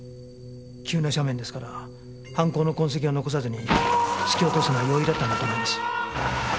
急な斜面ですから犯行の痕跡を残さずに突き落とすのは容易だったんだと思います。